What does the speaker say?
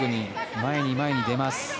前に前に出ます。